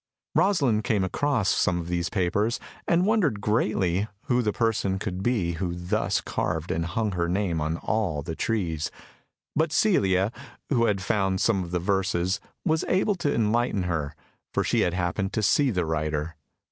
] Rosalind came across some of these papers, and wondered greatly who the person could be who thus carved and hung her name on all the trees; but Celia, who had also found some of the verses, was able to enlighten her, for she had happened to see the writer.